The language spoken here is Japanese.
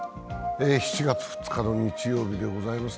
７月２日の日曜日でございます。